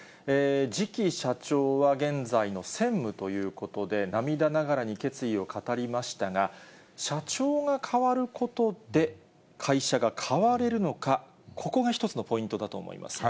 次期社長は現在の専務ということで、涙ながらに決意を語りましたが、社長が代わることで、会社が変われるのか、ここが一つのポイントだと思いますが。